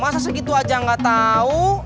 masa segitu aja gak tau